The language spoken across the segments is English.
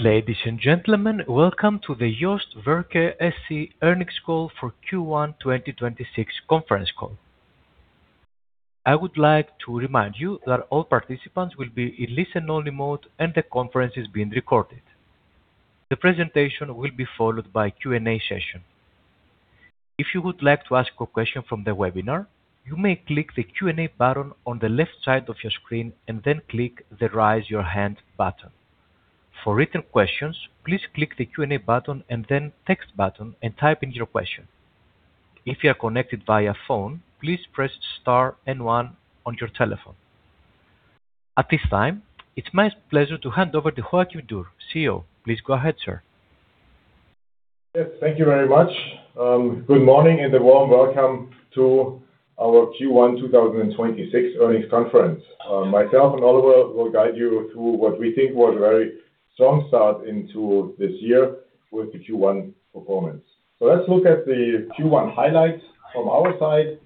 Ladies and gentlemen, welcome to the JOST Werke SE earnings call for Q1 2026 conference call. At this time, it's my pleasure to hand over to Joachim Dürr, CEO. Please go ahead, sir. Yes, thank you very much. Good morning and a warm welcome to our Q1 2026 earnings conference. Myself and Oliver will guide you through what we think was a very strong start into this year with the Q1 performance. Let's look at the Q1 highlights from our side.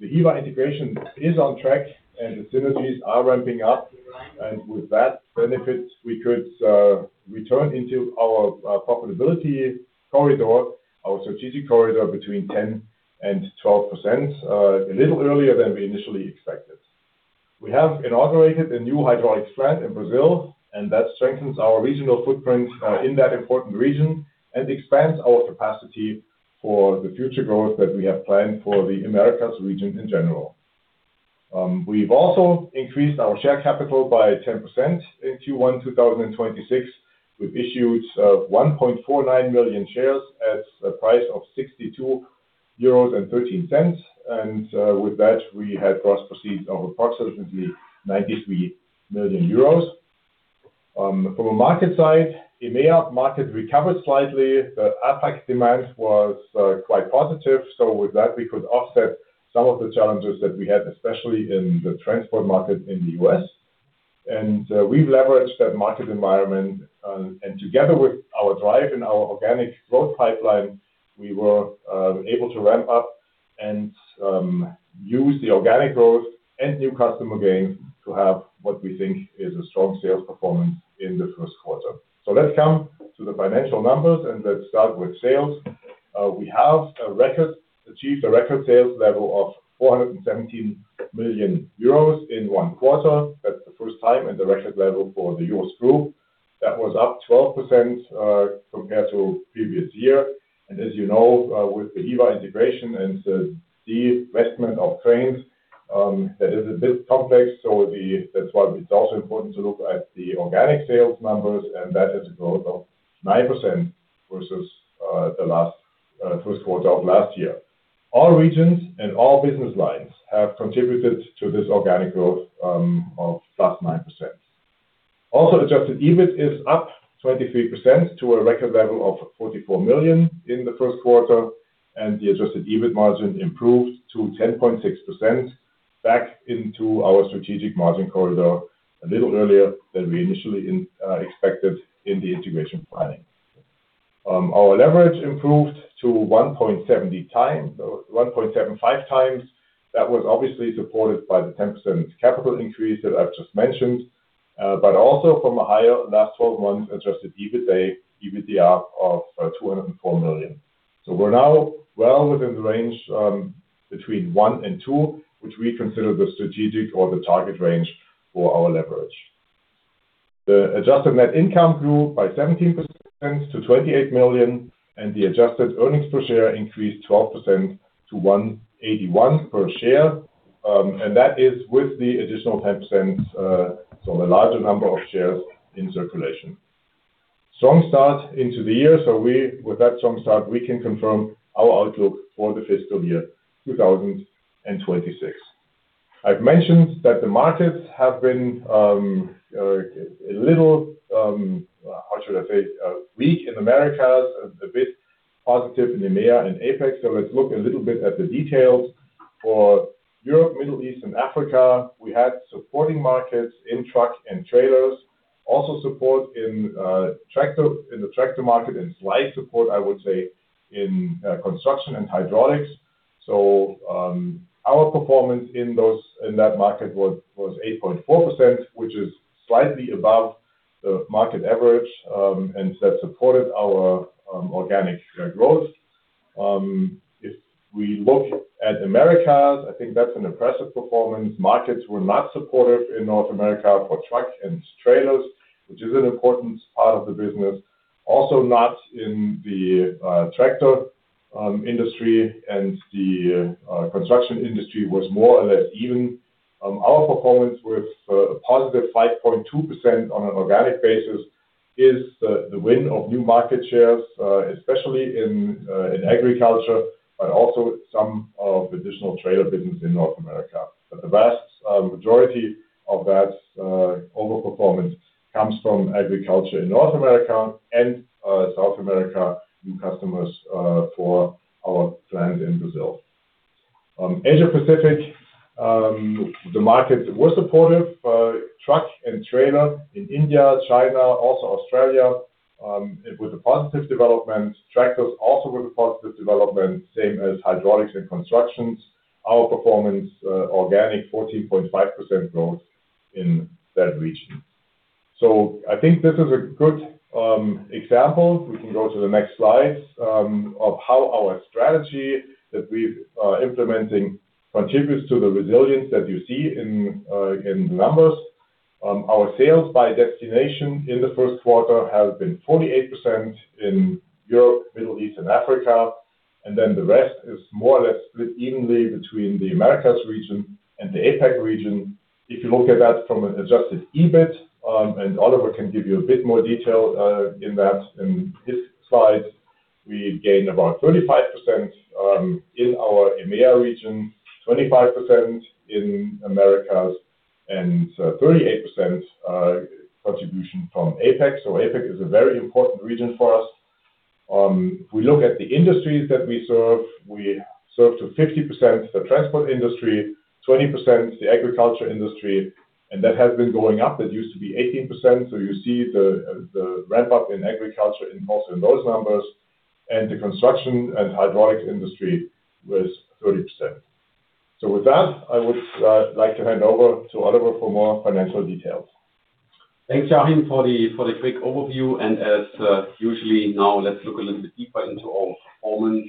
The Hyva integration is on track and the synergies are ramping up. With that benefit, we could return into our profitability corridor, our strategic corridor between 10% and 12%, a little earlier than we initially expected. We have inaugurated a new hydraulics plant in Brazil, and that strengthens our regional footprint in that important region and expands our capacity for the future growth that we have planned for the Americas region in general. We've also increased our share capital by 10% in Q1 2026. We've issued 1.49 million shares at a price of 62.13 euros. With that, we have gross proceeds of approximately 93 million euros. From a market side, EMEA market recovered slightly. The APAC demand was quite positive, with that, we could offset some of the challenges that we had, especially in the transport market in the U.S. We've leveraged that market environment, and together with our drive and our organic growth pipeline, we were able to ramp up and use the organic growth and new customer gains to have what we think is a strong sales performance in the first quarter. Let's come to the financial numbers, and let's start with sales. We have achieved a record sales level of 417 million euros in one quarter. That's the first time and the record level for the JOST Group. That was up 12% compared to previous year. As you know, with the Hyva integration and the divestment of cranes, that is a bit complex. That's why it's also important to look at the organic sales numbers, and that is a growth of 9% versus the last first quarter of last year. All regions and all business lines have contributed to this organic growth of +9%. Also, Adjusted EBIT is up 23% to a record level of 44 million in the first quarter, and the Adjusted EBIT margin improved to 10.6% back into our strategic margin corridor a little earlier than we initially expected in the integration planning. Our leverage improved to 1.75x. That was obviously supported by the 10% capital increase that I've just mentioned, but also from a higher last twelve months adjusted EBITA, EBITDA of 204 million. We're now well within the range between one and two, which we consider the strategic or the target range for our leverage. The adjusted net income grew by 17% to 28 million, and the adjusted earnings per share increased 12% to 1.81 per share. That is with the additional 10%, a larger number of shares in circulation. Strong start into the year. With that strong start, we can confirm our outlook for the fiscal year 2026. I've mentioned that the markets have been a little, how should I say? Weak in Americas, a bit positive in EMEA and APAC. Let's look a little bit at the details. For Europe, Middle East, and Africa, we had supporting markets in truck and trailers, also support in the tractor market and slight support, I would say, in construction and hydraulics. Our performance in that market was 8.4%, which is slightly above the market average, and that supported our organic growth. If we look at Americas, I think that's an impressive performance. Markets were not supportive in North America for truck and trailers, which is an important part of the business. Not in the tractor industry, and the construction industry was more or less even. Our performance with a positive 5.2% on an organic basis is the win of new market shares, especially in agriculture, but also some of additional trailer business in North America. The vast majority of that overperformance comes from agriculture in North America and South America, new customers for our plant in Brazil. APAC, the markets were supportive. Truck and trailer in India, China, also Australia, it was a positive development. Tractors also were a positive development, same as hydraulics and constructions. Our performance, organic 14.5% growth in that region. I think this is a good example. We can go to the next slide of how our strategy that we're implementing contributes to the resilience that you see in the numbers. Our sales by destination in the first quarter have been 48% in Europe, Middle East and Africa, and then the rest is more or less split evenly between the Americas region and the APAC region. If you look at that from an Adjusted EBIT, Oliver can give you a bit more detail in that. In his slide, we gained about 35% in our EMEA region, 25% in Americas, and 38% contribution from APAC. APAC is a very important region for us. If we look at the industries that we serve, we serve to 50% the transport industry, 20% the agriculture industry, and that has been going up. It used to be 18%. You see the ramp up in agriculture involved in those numbers. The construction and hydraulics industry was 30%. With that, I would like to hand over to Oliver for more financial details. Thanks, Joachim, for the quick overview. As usually now let's look a little bit deeper into our performance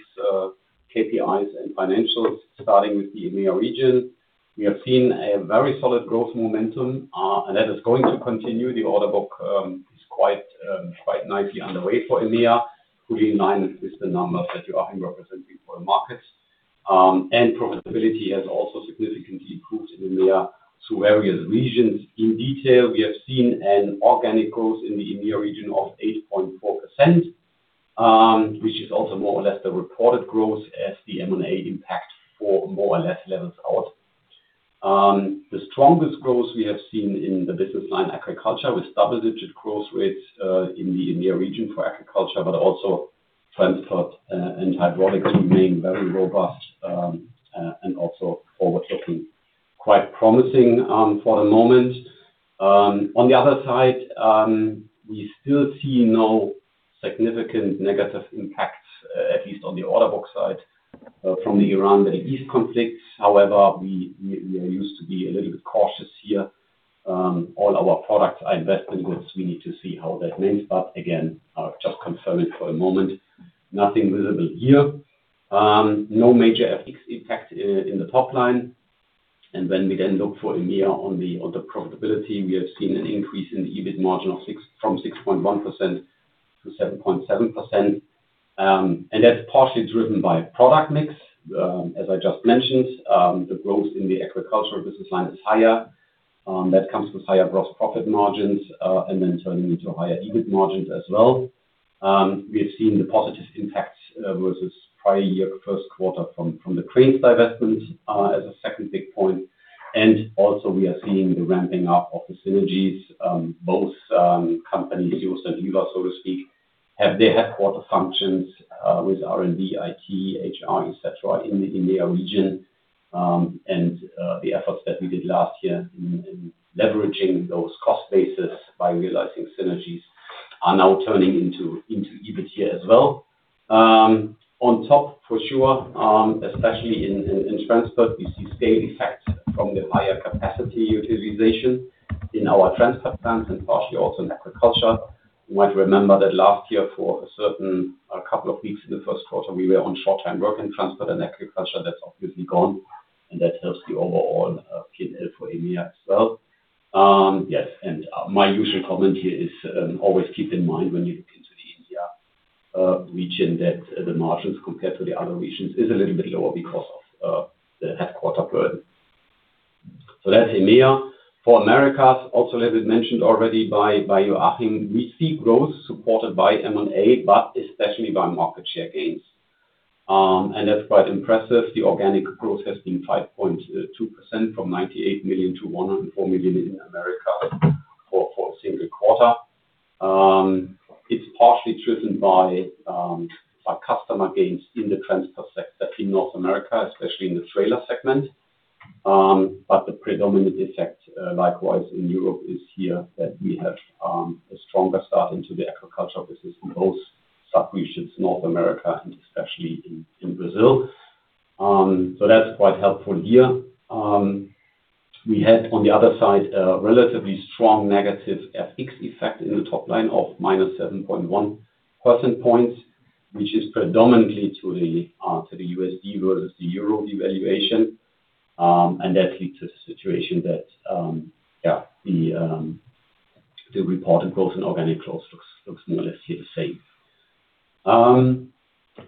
KPIs and financials, starting with the EMEA region. We have seen a very solid growth momentum, and that is going to continue. The order book is quite nicely underway for EMEA, fully in line with the numbers that Joachim representing for the markets. Profitability has also significantly improved in EMEA to various regions. In detail, we have seen an organic growth in the EMEA region of 8.4%, which is also more or less the reported growth as the M&A impact for more or less levels out. The strongest growth we have seen in the business line agriculture with double-digit growth rates in the EMEA region for agriculture, but also transport and hydraulics remain very robust and also forward-looking quite promising for the moment. On the other side, we still see no significant negative impacts at least on the order book side from the Iran-Middle East conflicts. We are used to be a little bit cautious here. All our products are investment goods. We need to see how that ends. Again, I'll just confirm it for a moment. Nothing visible here. No major FX impact in the top line. When we look for EMEA on the profitability, we have seen an increase in the EBIT margin from 6.1%-7.7%. That's partially driven by product mix. As I just mentioned, the growth in the agricultural business line is higher. That comes with higher gross profit margins, and then turning into higher EBIT margins as well. We have seen the positive impact versus prior year first quarter from the cranes divestment as a second big point. Also, we are seeing the ramping up of the synergies. Both companies, JOST and Hyva, so to speak, have their headquarter functions with R&D, IT, HR, et cetera, in the EMEA region. The efforts that we did last year in leveraging those cost bases by realizing synergies are now turning into EBIT here as well. On top for sure, especially in transport, we see stable effects from the higher capacity utilization in our transport plants and partially also in agriculture. You might remember that last year for a certain, a couple of weeks in the first quarter, we were on short-term work in transport and agriculture. That's obviously gone, and that helps the overall P&L for EMEA as well. Yes, and my usual comment here is, always keep in mind when you look into the EMEA region that the margins compared to the other regions is a little bit lower because of the headquarter burden. That's EMEA. For Americas, also as it mentioned already by Joachim, we see growth supported by M&A, but especially by market share gains. That's quite impressive. The organic growth has been 5.2% from 98 million-104 million in America for a single quarter. It's partially driven by customer gains in the transport sector in North America, especially in the trailer segment. The predominant effect, likewise in Europe, is here that we have a stronger start into the agriculture business in both sub regions, North America and especially in Brazil. That's quite helpful here. We had on the other side a relatively strong negative FX effect in the top line of -7.1 percentage points, which is predominantly to the USD versus the Euro devaluation.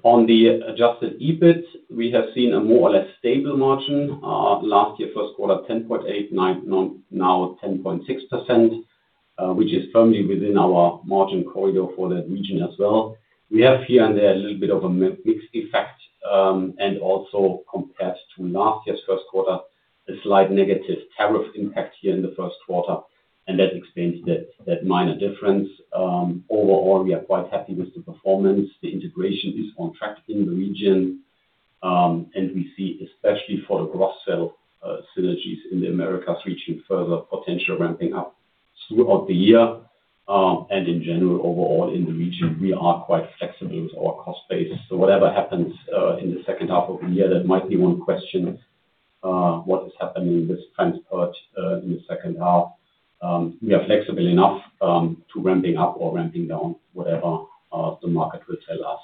On the Adjusted EBIT, we have seen a more or less stable margin. Last year first quarter, 10.8%, now 10.6%, which is firmly within our margin corridor for that region as well. We have here and there a little bit of a mixed effect, and also compared to last year's first quarter, a slight negative tariff impact here in the first quarter, and that explains that minor difference. Overall, we are quite happy with the performance. The integration is on track in the region, and we see especially for the cross-sell synergies in the Americas reaching further potential ramping up. Throughout the year, in general, overall in the region, we are quite flexible with our cost base. Whatever happens in the second half of the year, that might be one question, what is happening with transport in the second half. We are flexible enough to ramping up or ramping down whatever the market will tell us.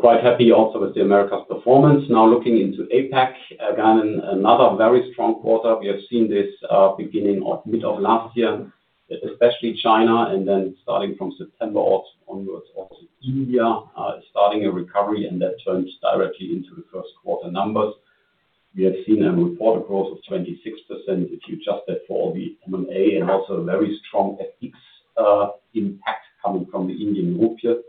Quite happy also with the Americas performance. Now looking into APAC, again, another very strong quarter. We have seen this beginning of mid of last year, especially China, and then starting from September onwards, also India, starting a recovery, and that turns directly into the first quarter numbers. We have seen a report growth of 26%, if you adjust that for all the M&A and also a very strong FX impact coming from the Indian Rupee.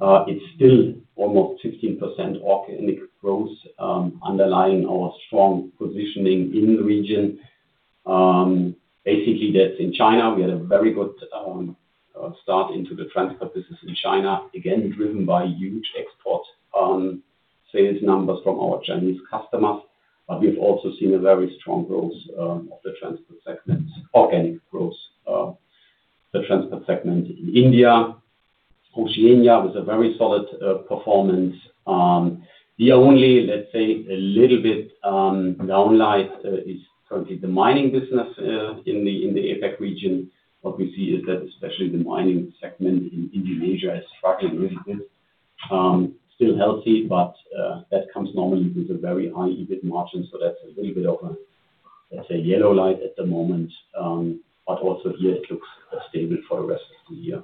It's still almost 15% organic growth, underlying our strong positioning in the region. Basically, that's in China, we had a very good start into the transport business in China, again, driven by huge export sales numbers from our Chinese customers. We've also seen a very strong growth of the transport segment, organic growth, the transport segment in India. Oceania was a very solid performance. The only, let's say, a little bit, down light, is currently the mining business in the APAC region. What we see is that especially the mining segment in Indonesia is struggling a little bit. Still healthy, but that comes normally with a very high EBIT margin, so that's a little bit of a, let's say, yellow light at the moment. Also here, it looks stable for the rest of the year.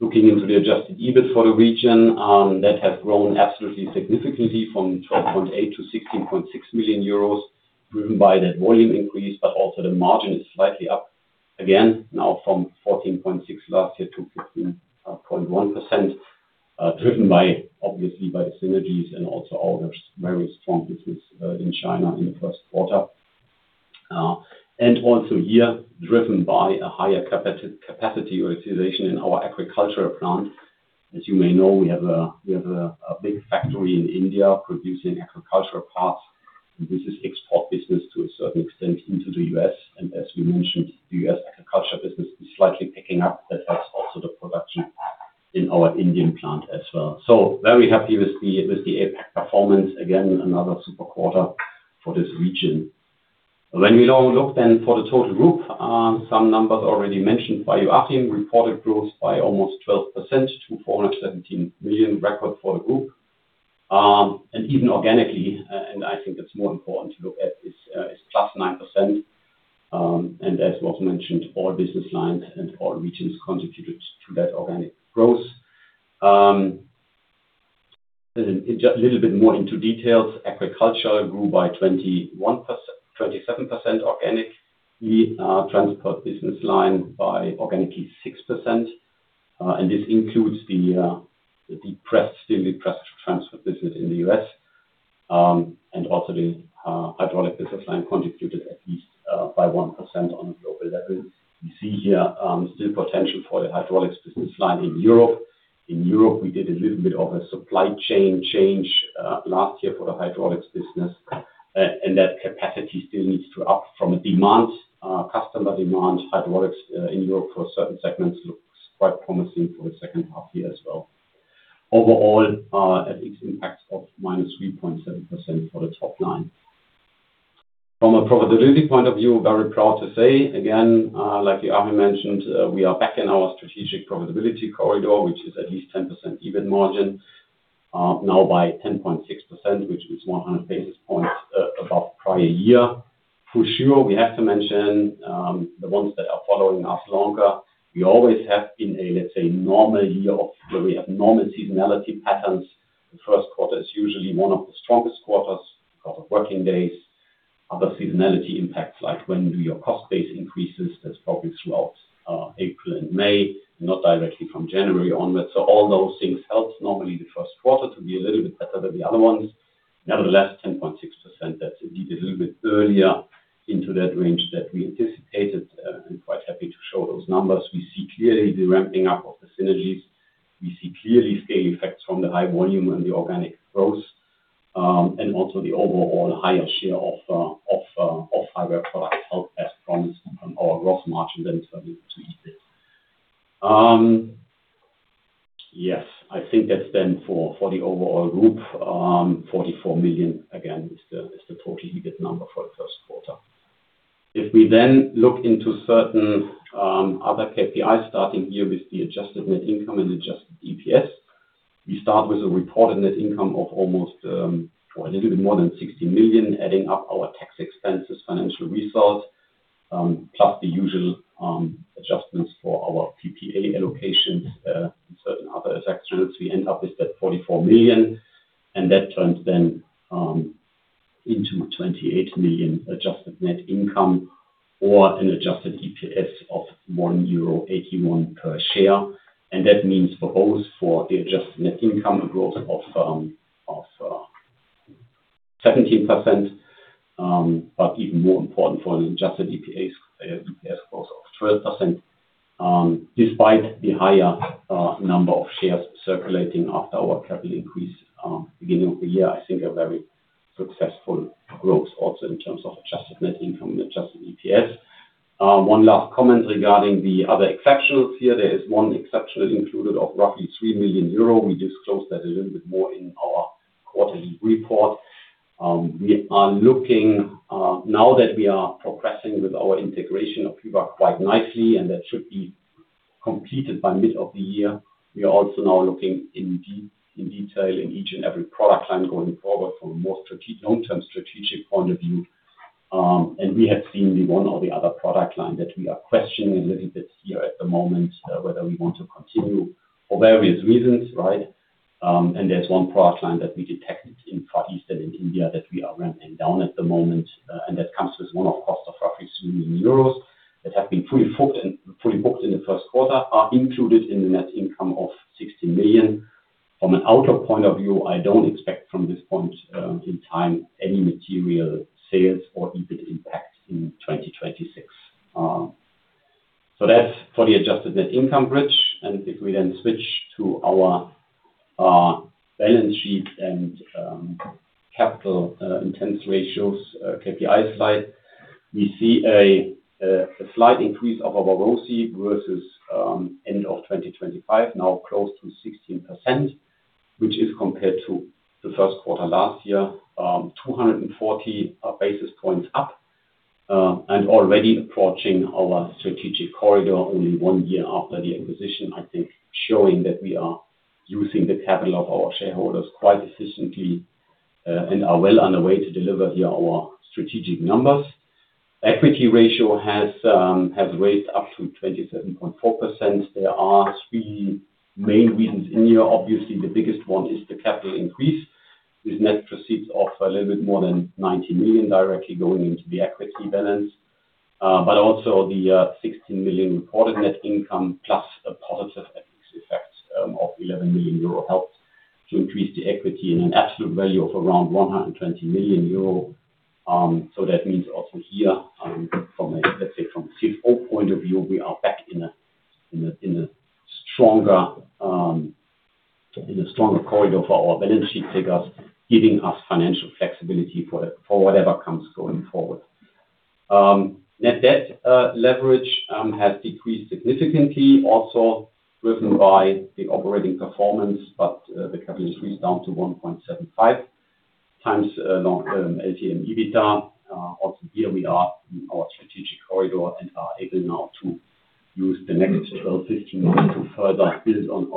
Looking into the Adjusted EBIT for the region, that has grown absolutely significantly from 12.8 million- 16.6 million euros, driven by that volume increase, but also the margin is slightly up again now from 14.6% last year to 15.1%, driven by, obviously, by the synergies and also our very strong business in China in the first quarter. Also here, driven by a higher capacity utilization in our agricultural plant. As you may know, we have a big factory in India producing agricultural parts, and this is export business to a certain extent into the U.S. As we mentioned, the U.S. agricultural business is slightly picking up. That helps also the production in our Indian plant as well. Very happy with the APAC performance. Another super quarter for this region. When we now look then for the total group, some numbers already mentioned by Joachim, reported growth by almost 12% to 417 million, record for the group. Even organically, and I think it's more important to look at, is +9%. As was mentioned, all business lines and all regions contributed to that organic growth. A little bit more into details. Agriculture grew by 27% organically. Transport business line by organically 6%. This includes the still depressed transport business in the U.S. Also the hydraulic business line contributed at least by 1% on a global level. We see here still potential for the hydraulics business line in Europe. In Europe, we did a little bit of a supply chain change last year for the hydraulics business, and that capacity still needs to up from a demand, customer demand. Hydraulics in Europe for certain segments looks quite promising for the second half-year as well. Overall, FX impact of -3.7% for the top line. From a profitability point of view, very proud to say, again, like Joachim mentioned, we are back in our strategic profitability corridor, which is at least 10% EBIT margin. Now by 10.6%, which is 100 basis points above prior year. For sure, we have to mention the ones that are following us longer. We always have in a, let's say, normal year of where we have normal seasonality patterns, the first quarter is usually one of the strongest quarters because of working days. Other seasonality impacts like when do your cost base increases, that's probably throughout April and May, not directly from January onwards. All those things helps normally the first quarter to be a little bit better than the other ones. Nevertheless, 10.6%, that's indeed a little bit earlier into that range that we anticipated and quite happy to show those numbers. We see clearly the ramping up of the synergies. We see clearly scale effects from the high volume and the organic growth, and also the overall higher share of higher products helped as promised on our gross margin then further to EBIT. Yes, I think that's then for the overall group, 44 million, again, is the total EBIT number for the first quarter. If we then look into certain other KPIs, starting here with the adjusted net income and Adjusted EPS, we start with a reported net income of almost, or a little bit more than 60 million, adding up our tax expenses, financial results, plus the usual adjustments for our PPA allocations and certain other effect trends. We end up with that 44 million, and that turns then into a 28 million adjusted net income or an Adjusted EPS of 1.81 euro per share. That means for both, for the adjusted net income, a growth of 17%, but even more important for an Adjusted EPS growth of 12%. Despite the higher number of shares circulating after our capital increase, beginning of the year, I think a very successful growth also in terms of adjusted net income and Adjusted EPS. One last comment regarding the other exceptional. Here, there is one exceptional included of roughly 3 million euro. We disclose that a little bit more in our quarterly report. We are looking now that we are progressing with our integration of Hyva quite nicely, and that should be completed by mid of the year. We are also now looking in detail in each and every product line going forward from a more long-term strategic point of view. We have seen the one or the other product line that we are questioning a little bit here at the moment, whether we want to continue for various reasons, right? There's one product line that we detected in Far Eastern, in India, that we are ramping down at the moment, and that comes with one-off cost of roughly 3 million euros that have been pre-booked in the first quarter, are included in the net income of 60 million. From an outlook point of view, I don't expect from this point in time any material sales or EBIT impact in 2026. That's for the adjusted net income bridge. If we then switch to our balance sheet and capital intense ratios KPIs slide, we see a slight increase of our ROCE versus end of 2025, now close to 16%, which is compared to the first quarter last year, 240 basis points up, and already approaching our strategic corridor only 1 year after the acquisition. I think showing that we are using the capital of our shareholders quite efficiently and are well on the way to deliver here our strategic numbers. Equity ratio has raised up to 27.4%. There are three main reasons in here. Obviously, the biggest one is the capital increase, with net proceeds of a little bit more than 90 million directly going into the equity balance. Also the 16 million reported net income plus a positive EBIT effect of 11 million euro helped to increase the equity in an absolute value of around 120 million euro. That means also here, from a, let's say, from a CFO point of view, we are back in a stronger corridor for our balance sheet figures, giving us financial flexibility for whatever comes going forward. Net debt leverage has decreased significantly, also driven by the operating performance, the capital increase down to 1.75x LTM EBITDA. Also here we are in our strategic corridor and are able now to use the next 12, 15 months to further build on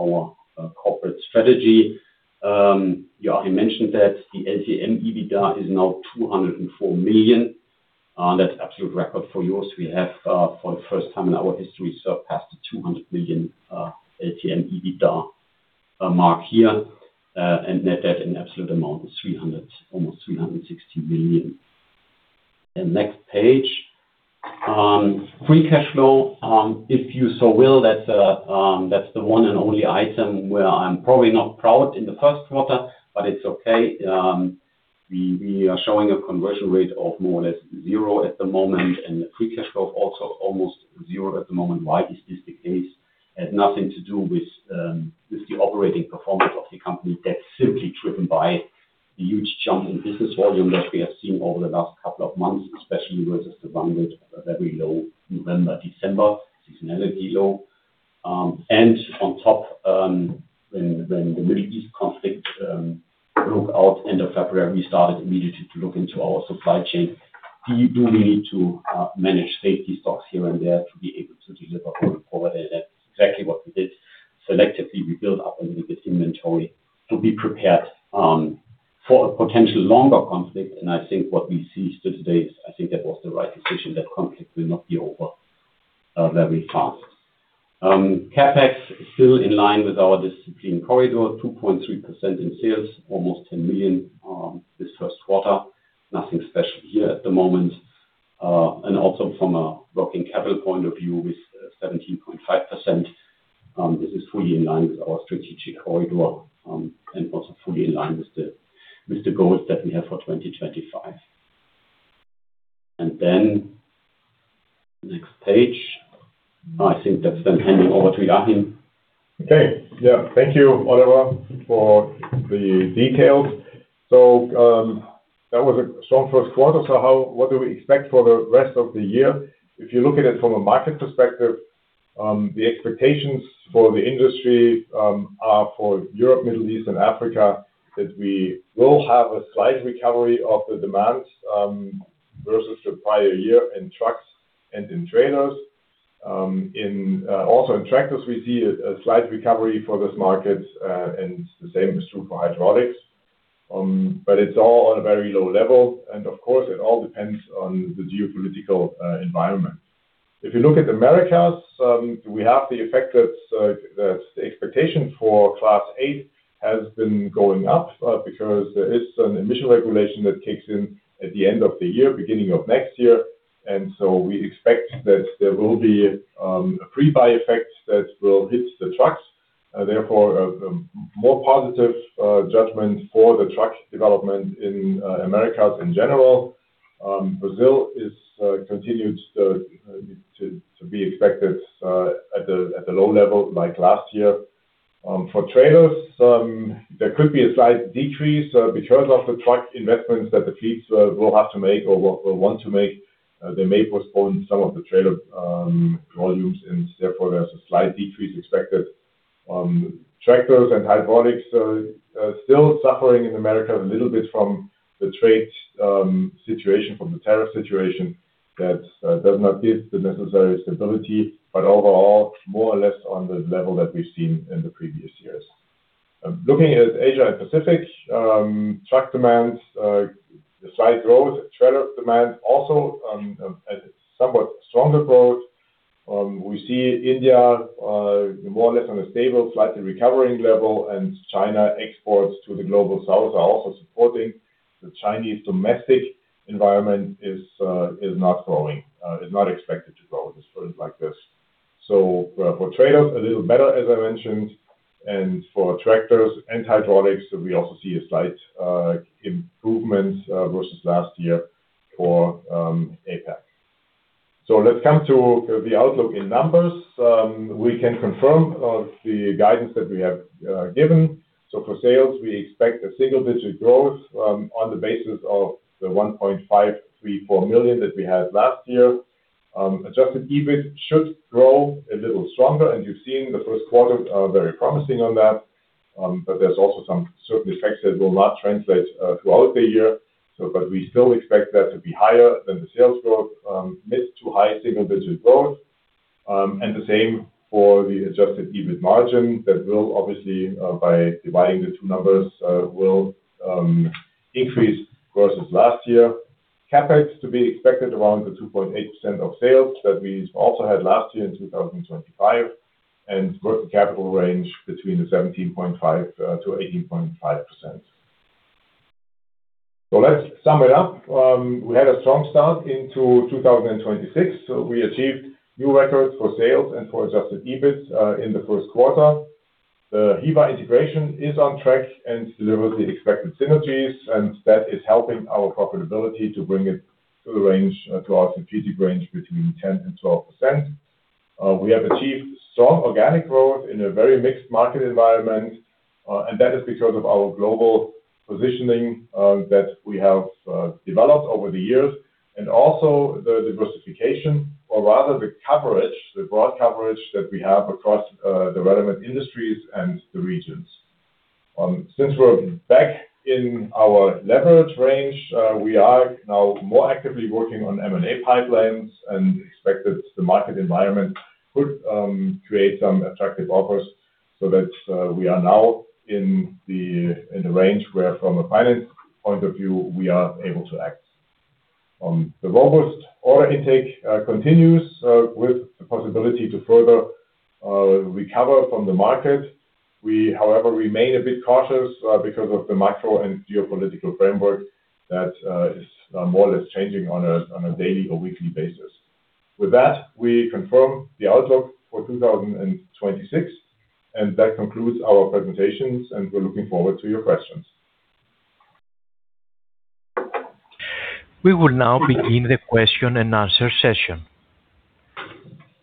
our corporate strategy. Joachim mentioned that the LTM EBITDA is now 204 million. That's absolute record for JOST. We have for the first time in our history, surpassed the 200 million LTM EBITDA mark here. Net debt in absolute amount is almost 360 million. Next page. Free cash flow, if you so will, that's the one and only item where I'm probably not proud in the first quarter, but it's okay. We are showing a conversion rate of more or less zero at the moment, and the free cash flow also almost zero at the moment. Why is this the case? It has nothing to do with the operating performance of the company. That's simply driven by the huge jump in business volume that we have seen over the last couple of months, especially versus the very low November, December seasonality low. On top, when the Middle East conflict broke out end of February, we started immediately to look into our supply chain. Do we need to manage safety stocks here and there to be able to deliver going forward? That's exactly what we did. Selectively, we built up a little bit inventory to be prepared for a potential longer conflict. I think what we see still today is I think that was the right decision. That conflict will not be over very fast. CapEx still in line with our discipline corridor, 2.3% in sales, almost 10 million this first quarter. Nothing special here at the moment. Also from a working capital point of view, with 17.5%, this is fully in line with our strategic corridor, and also fully in line with the, with the goals that we have for 2025. Then next page. I think that's handing over to Joachim. Okay. Yeah. Thank you, Oliver, for the details. That was a strong first quarter. What do we expect for the rest of the year? If you look at it from a market perspective, the expectations for the industry are for Europe, Middle East and Africa, that we will have a slight recovery of the demand versus the prior year in trucks and in trailers. In also in tractors, we see a slight recovery for this market, and the same is true for hydraulics. It's all on a very low level, and of course, it all depends on the geopolitical environment. If you look at Americas, we have the effect that the expectation for Class 8 has been going up because there is an emission regulation that kicks in at the end of the year, beginning of next year. So we expect that there will be a pre-buy effect that will hit the trucks, therefore, a more positive judgment for the truck development in Americas in general. Brazil is continues to be expected at the low level like last year. For trailers, there could be a slight decrease because of the truck investments that the fleets will have to make or will want to make. They may postpone some of the trailer volumes and therefore, there's a slight decrease expected. Tractors and hydraulics are still suffering in the U.S. a little bit from the trade situation, from the tariff situation that does not give the necessary stability. More or less on the level that we've seen in the previous years. Looking at APAC, truck demands, a slight growth. Trailer demand also, at somewhat stronger growth. We see India more or less on a stable, slightly recovering level. China exports to the Global South are also supporting. The Chinese domestic environment is not growing, is not expected to grow. Let's put it like this. For trailers, a little better, as I mentioned. For tractors and hydraulics, we also see a slight improvement versus last year for APAC. Let's come to the outlook in numbers. We can confirm the guidance that we have given. For sales, we expect a single-digit growth on the basis of the 1.534 million that we had last year. Adjusted EBIT should grow a little stronger, and you've seen the first quarter very promising on that. There's also some certain effects that will not translate throughout the year. We still expect that to be higher than the sales growth, mid-to-high single-digit growth. The same for the Adjusted EBIT margin that will obviously, by dividing the two numbers, will increase versus last year. CapEx to be expected around the 2.8% of sales that we also had last year in 2025. Working capital range between 17.5%-18.5%. Let's sum it up. We had a strong start into 2026. We achieved new records for sales and for Adjusted EBIT in the first quarter. Hyva integration is on track and delivers the expected synergies, and that is helping our profitability to bring it to the range throughout the strategic range between 10%-12%. We have achieved strong organic growth in a very mixed market environment, and that is because of our global positioning that we have developed over the years. Also the diversification or rather the coverage, the broad coverage that we have across the relevant industries and the regions. Since we're back in our leverage range, we are now more actively working on M&A pipelines and expect that the market environment could create some attractive offers so that we are now in the range where from a finance point of view, we are able to act. The robust order intake continues with the possibility to further recover from the market. We, however, remain a bit cautious because of the macro and geopolitical framework that is more or less changing on a daily or weekly basis. With that, we confirm the outlook for 2026, and that concludes our presentations, and we're looking forward to your questions. We will now begin the question and answer session.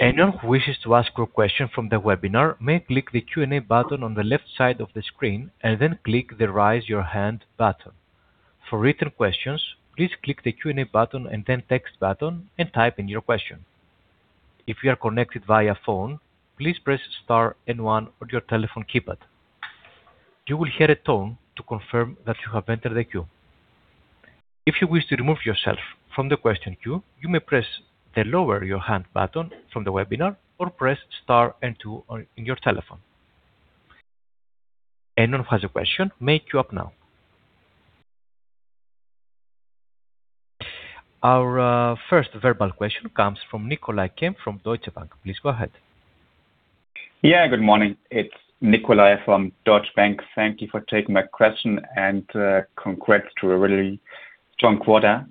Anyone who wishes to ask a question from the webinar may click the Q&A button on the left side of the screen and then click the Raise Your Hand button. For written questions, please click the Q&A button and then Text button and type in your question. If you are connected via phone, please press star and one on your telephone keypad. You will hear a tone to confirm that you have entered the queue. If you wish to remove yourself from the question queue, you may press the lower your hand button from the webinar or press star and two on your telephone. Anyone who has a question may queue up now. Our first verbal question comes from Nicolai Kempf from Deutsche Bank. Please go ahead. Yeah. Good morning. It's Nicolai from Deutsche Bank. Thank you for taking my question and congrats to a really strong quarter.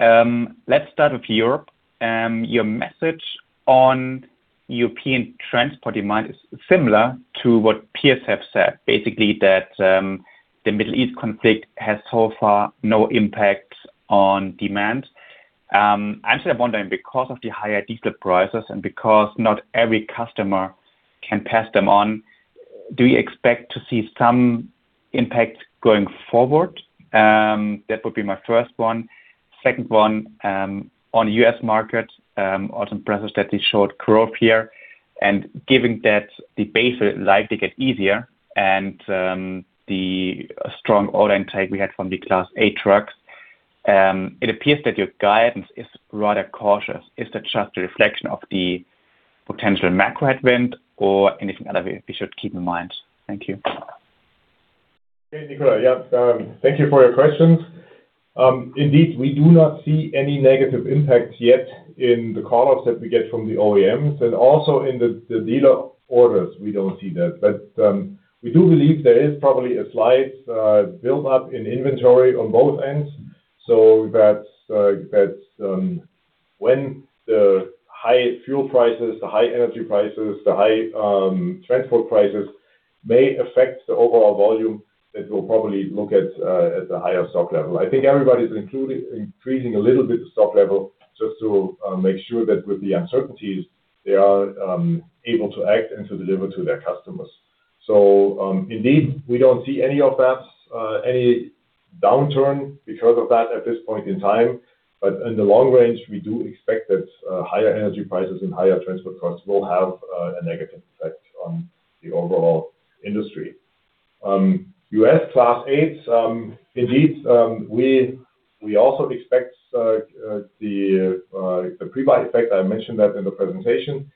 Let's start with Europe. Your message on European transport demand is similar to what peers have said. Basically, that the Middle East conflict has so far no impact on demand. Actually, I'm wondering because of the higher diesel prices and because not every customer can pass them on, do you expect to see some impact going forward? That would be my first one. Second one, on U.S. market, Autumn presented a short growth here. Given that the base is likely to get easier and the strong order intake we had from the Class 8 trucks, it appears that your guidance is rather cautious. Is that just a reflection of the potential macro headwind or anything other we should keep in mind? Thank you. Okay, Nicolai. Yeah. Thank you for your questions. Indeed, we do not see any negative impacts yet in the call-offs that we get from the OEMs and also in the dealer orders we don't see that. We do believe there is probably a slight build-up in inventory on both ends. When the high fuel prices, the high energy prices, the high transport prices may affect the overall volume that we'll probably look at the higher stock level. I think everybody's increasing a little bit the stock level just to make sure that with the uncertainties they are able to act and to deliver to their customers. Indeed, we don't see any of that, any downturn because of that at this point in time. In the long range, we do expect that higher energy prices and higher transport costs will have a negative effect on the overall industry. U.S. Class 8, indeed, we also expect the pre-buy effect, I mentioned that in the presentation.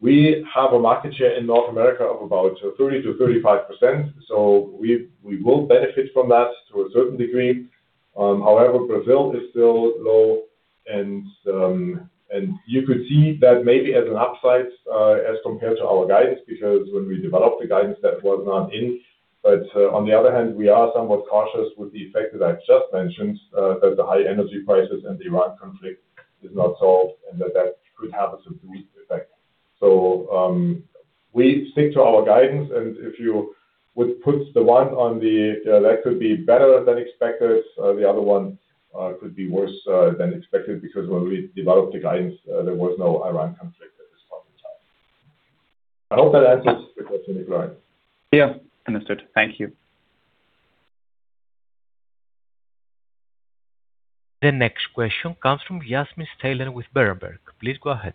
We have a market share in North America of about 30%-35%, so we will benefit from that to a certain degree. However, Brazil is still low and you could see that maybe as an upside as compared to our guidance, because when we developed the guidance, that was not in. On the other hand, we are somewhat cautious with the effect that I've just mentioned, that the high energy prices and the Iran conflict is not solved and that could have a subdued effect. We stick to our guidance, and if you would put the one on the, that could be better than expected, the other one, could be worse, than expected, because when we developed the guidance, there was no Iran conflict at this point in time. I hope that answers the question, Nicolai. Yeah. Understood. Thank you. The next question comes from Yasmin Steilen with Berenberg. Please go ahead.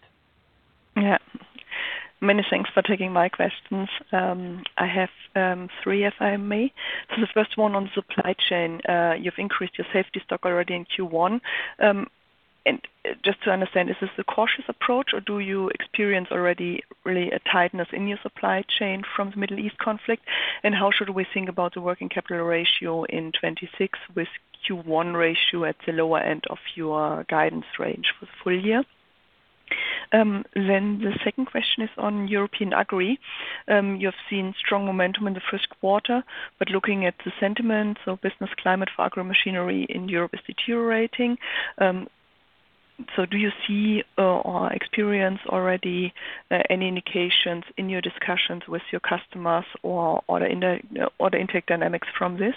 Yeah. Many thanks for taking my questions. I have three, if I may. The first one on supply chain. You've increased your safety stock already in Q1. Just to understand, is this a cautious approach, or do you experience already really a tightness in your supply chain from the Middle East conflict? How should we think about the working capital ratio in 2026, with Q1 ratio at the lower end of your guidance range for the full year? The second question is on European agri. You've seen strong momentum in the first quarter, looking at the sentiment, so business climate for agro machinery in Europe is deteriorating. Do you see or experience already any indications in your discussions with your customers or the intake dynamics from this?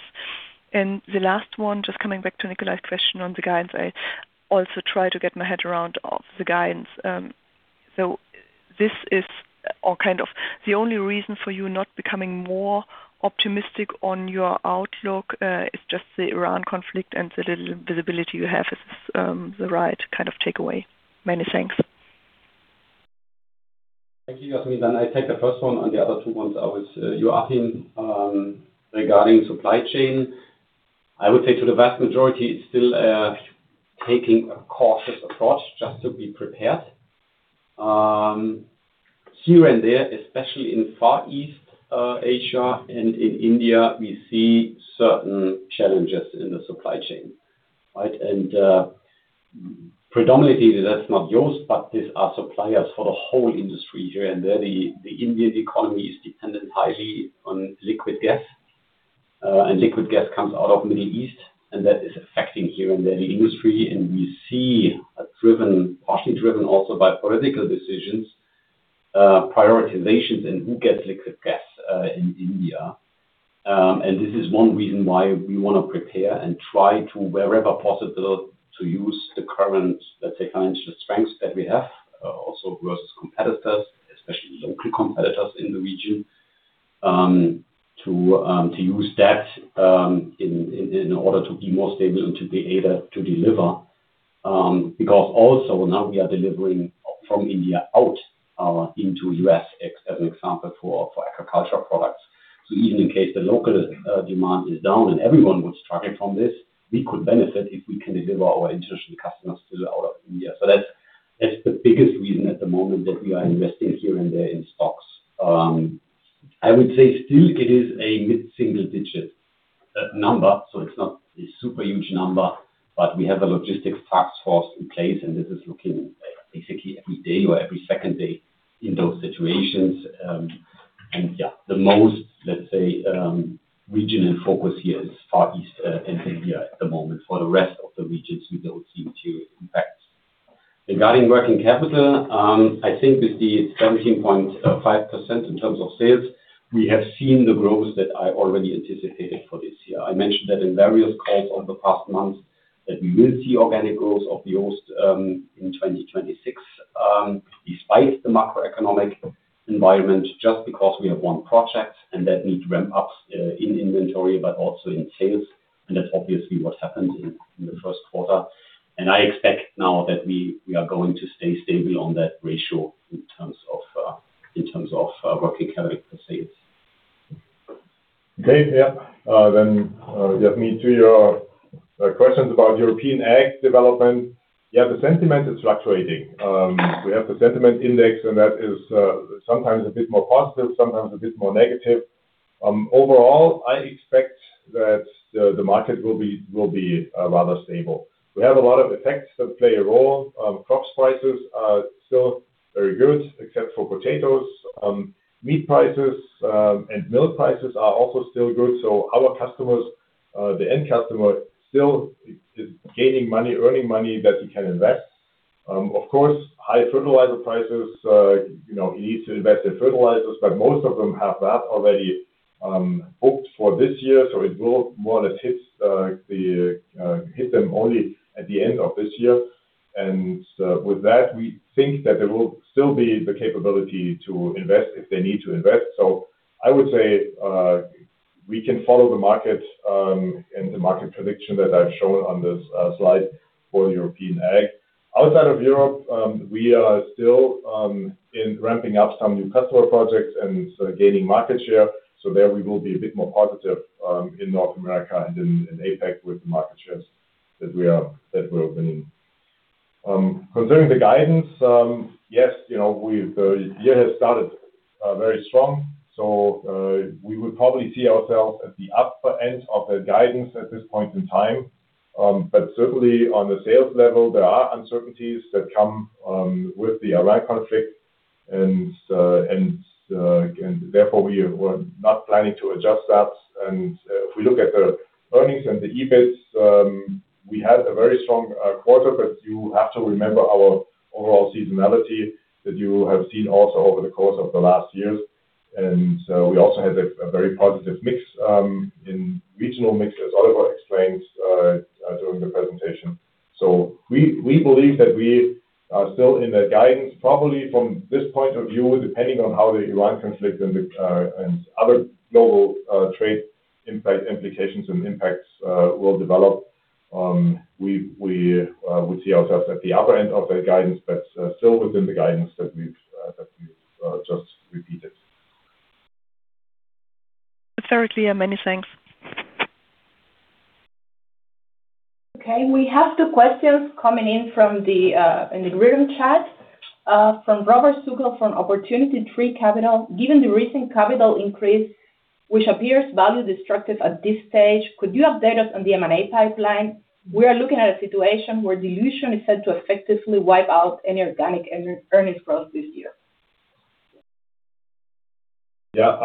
The last one, just coming back to Nicolai's question on the guidance, I also try to get my head around the guidance. This is, or kind of the only reason for you not becoming more optimistic on your outlook, is just the Iran conflict and the little visibility you have. Is this the right kind of takeaway? Many thanks. Thank you, Yasmin. I take the first one, and the other two ones I will, you ask him. Regarding supply chain, I would say to the vast majority, it's still taking a cautious approach just to be prepared. Here and there, especially in Far East, Asia and in India, we see certain challenges in the supply chain, right? Predominantly that's not just, but these are suppliers for the whole industry here and there. The Indian economy is dependent highly on liquid gas, and liquid gas comes out of Middle East, and that is affecting here and there the industry. We see a partially driven also by political decisions, prioritizations in who gets liquid gas in India. This is one reason why we wanna prepare and try to, wherever possible, to use the current, let's say, financial strengths that we have, also versus competitors, especially local competitors in the region, to use that in order to be more stable and to be able to deliver. Because also now we are delivering from India out into U.S. as an example for agricultural products. Even in case the local demand is down and everyone would struggle from this, we could benefit if we can deliver our international customers to out of India. That's the biggest reason at the moment that we are investing here and there in stocks. I would say still it is a mid-single-digit number, so it's not a super huge number, but we have a logistics task force in place, and this is looking basically every day or every second day in those situations. The most, let's say, regional focus here is Far East and India at the moment. For the rest of the regions, we don't seem to impact. Regarding working capital, I think with the 17.5% in terms of sales, we have seen the growth that I already anticipated for this year. I mentioned that in various calls over the past months that we will see organic growth of the JOST in 2026 despite the macroeconomic environment, just because we have one project and that needs ramp up in inventory, but also in sales. That's obviously what happened in the first quarter. I expect now that we are going to stay stable on that ratio in terms of working capital for sales. Okay. Yeah. Then, Yasmin, to your questions about European ag development. Yeah, the sentiment is fluctuating. We have the sentiment index, that is sometimes a bit more positive, sometimes a bit more negative. Overall, I expect that the market will be rather stable. We have a lot of effects that play a role. Crop prices are still very good, except for potatoes. Meat prices, milk prices are also still good, the end customer still is gaining money, earning money that he can invest. Of course, high fertilizer prices, you know, he needs to invest in fertilizers, but most of them have that already booked for this year, so it will more or less hit them only at the end of this year. With that, we think that there will still be the capability to invest if they need to invest. I would say, we can follow the market and the market prediction that I've shown on this slide for European ag. Outside of Europe, we are still in ramping up some new customer projects and so gaining market share. There we will be a bit more positive in North America and in APAC with the market shares that we're winning. Concerning the guidance, yes, you know, the year has started very strong, so we will probably see ourselves at the upper end of the guidance at this point in time. Certainly on the sales level, there are uncertainties that come with the Iran conflict and therefore we were not planning to adjust that. If we look at the earnings and the EBIT, we had a very strong quarter, but you have to remember our overall seasonality that you have seen also over the course of the last years. We also had a very positive mix in regional mix, as Oliver explained during the presentation. We believe that we are still in the guidance, probably from this point of view, depending on how the Iran conflict and the and other global trade impact implications and impacts will develop. We see ourselves at the upper end of that guidance, but still within the guidance that we've that we've just repeated. Very clear. Many thanks. Okay. We have two questions coming in from the in the written chat from Robert Sugel from Opportunity Tree Capital. Given the recent capital increase, which appears value destructive at this stage, could you update us on the M&A pipeline? We are looking at a situation where dilution is set to effectively wipe out any organic earnings growth this year. Yeah.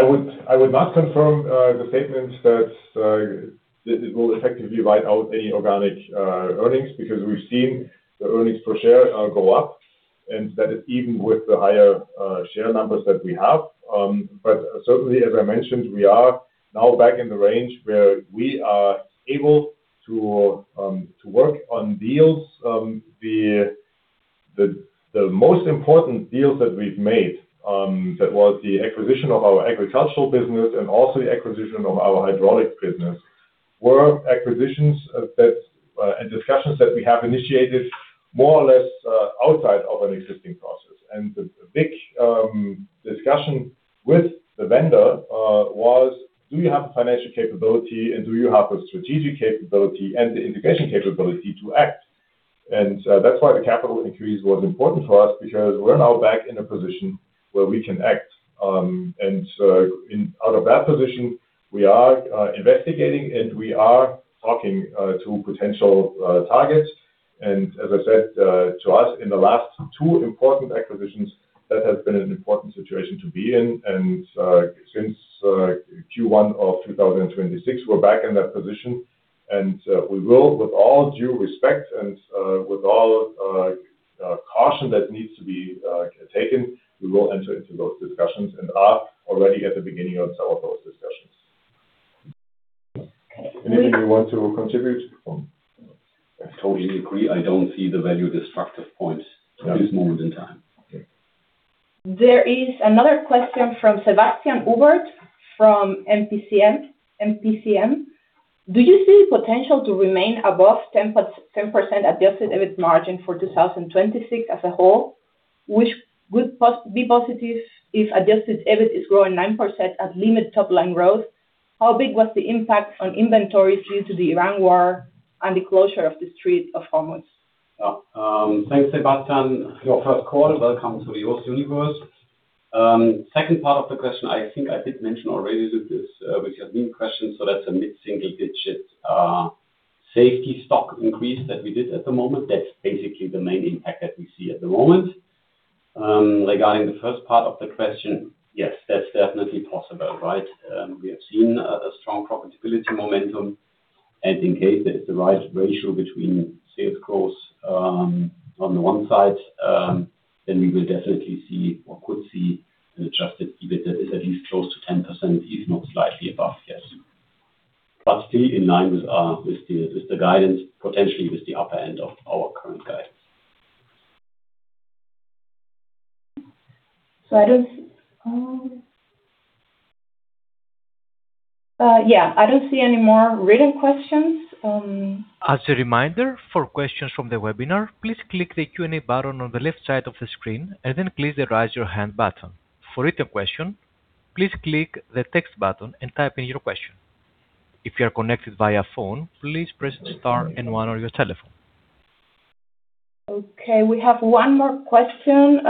I would, I would not confirm the statement that it will effectively wipe out any organic earnings, because we've seen the earnings per share go up, and that is even with the higher share numbers that we have. Certainly, as I mentioned, we are now back in the range where we are able to work on deals. The most important deals that we've made, that was the acquisition of our agricultural business and also the acquisition of our hydraulics business, were acquisitions that and discussions that we have initiated more or less outside of an existing process. The big discussion with the vendor was: Do you have the financial capability, and do you have the strategic capability and the integration capability to act? That's why the capital increase was important for us, because we're now back in a position where we can act. Out of that position, we are investigating, and we are talking to potential targets. As I said, to us, in the last two important acquisitions, that has been an important situation to be in. Since Q1 of 2026, we're back in that position. We will, with all due respect and with all caution that needs to be taken, we will enter into those discussions and are already at the beginning of some of those discussions. Okay. Anything you want to contribute? I totally agree. I don't see the value destructive point at this moment in time. Okay. There is another question from Sebastian Hubert from MPCM. Do you see potential to remain above 10% Adjusted EBIT margin for 2026 as a whole, which would be positive if Adjusted EBIT is growing 9% at limit top-line growth? How big was the impact on inventories due to the Iran war and the closure of the Strait of Hormuz? Thanks, Sebastian, for your first call. Welcome to the JOST Universe. Second part of the question, I think I did mention already that this, which has been questioned, so that's a mid-single-digit safety stock increase that we did at the moment. That's basically the main impact that we see at the moment. Regarding the first part of the question, yes, that's definitely possible, right? We have seen a strong profitability momentum. In case there is the right ratio between sales growth, on the one side, we will definitely see or could see Adjusted EBIT that is at least close to 10%, if not slightly above, yes. Still in line with the guidance, potentially with the upper end of our current guidance. I don't yeah, I don't see any more written questions. As a reminder, for questions from the webinar, please click the Q&A button on the left side of the screen and then please the Raise Your Hand button. For written question, please click the Text button and type in your question. If you are connected via phone, please press star one on your telephone. Okay. We have one more question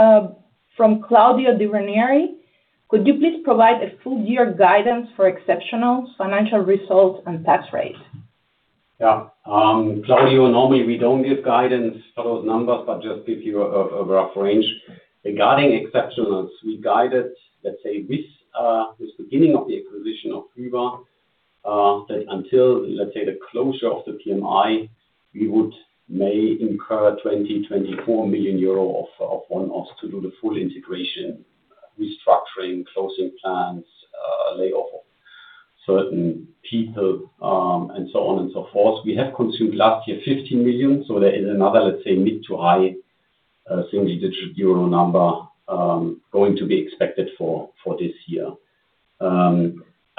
from Claudio Ranieri. Could you please provide a full year guidance for exceptional financial results and tax rate? Claudio, normally we don't give guidance for those numbers, but just give you a rough range. Regarding exceptionals, we guided, let's say, this beginning of the acquisition of Hyva, that until, let's say, the closure of the PMI, we would may incur 20 million-24 million euro of one-offs to do the full integration, restructuring, closing plans, layoff of certain people, and so on and so forth. We have consumed last year 15 million, there is another, let's say, mid to high single-digit EUR number going to be expected for this year.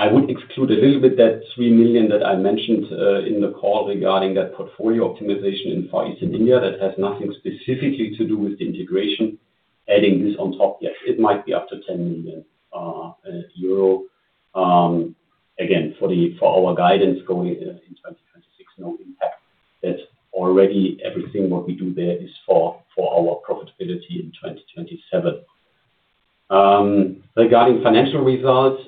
I would exclude a little bit that 3 million that I mentioned in the call regarding that portfolio optimization in Far East and India. That has nothing specifically to do with the integration. Adding this on top, yes, it might be up to 10 million euro. Again, for our guidance going in 2026, no impact. That already everything what we do there is for our profitability in 2027. Regarding financial results,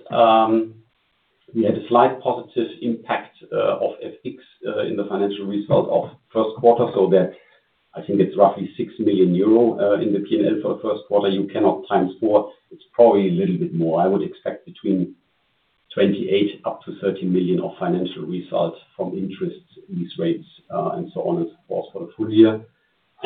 we had a slight positive impact of FX in the financial result of first quarter, so that I think it's roughly 6 million euro in the P&L for first quarter. You cannot 4x. It's probably a little bit more. I would expect between 28 million-30 million of financial results from interest, lease rates, and so on and so forth for the full year.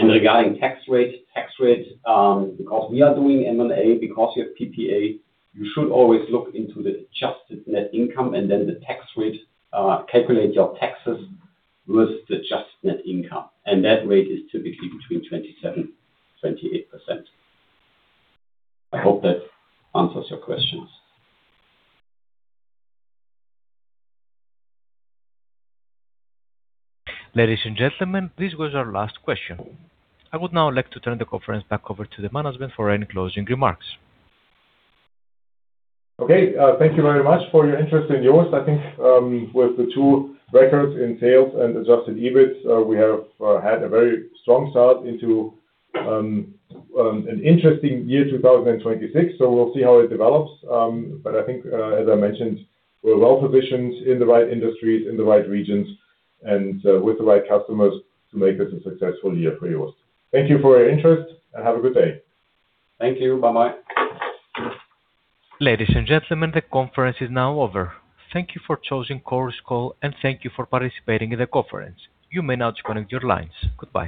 Regarding tax rate, because we are doing M&A, because we have PPA, you should always look into the adjusted net income and then the tax rate, calculate your taxes with the adjusted net income. That rate is typically between 27%-28%. I hope that answers your questions. Ladies and gentlemen, this was our last question. I would now like to turn the conference back over to the management for any closing remarks. Okay. Thank you very much for your interest in JOST. I think, with the two records in sales and Adjusted EBIT, we have had a very strong start into an interesting year, 2026. We'll see how it develops. I think, as I mentioned, we're well-positioned in the right industries, in the right regions, and with the right customers to make this a successful year for JOST. Thank you for your interest, and have a good day. Thank you. Bye-bye. Ladies and gentlemen, the conference is now over. Thank you for choosing Chorus Call, and thank you for participating in the conference. You may now disconnect your lines. Goodbye.